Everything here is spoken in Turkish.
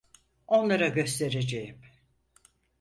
Onlara göstereceğim.